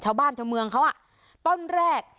ชาวบ้านชาวเมืองเขาต้นแรก